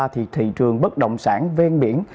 hai nghìn hai mươi ba thì thị trường bất động sản ven biển